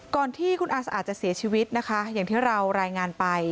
ก่อนที่คุณอาสะอาดจะเสียชีวิตนะคะอย่างที่เรารายงานไป